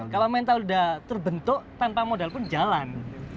kalau mental sudah terbentuk tanpa modal pun jalan